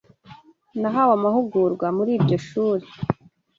Nahawe amahugurwa muri iryo shuri.